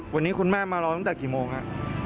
วันนี้คุณแม่มารอตั้งแต่กี่โมงครับ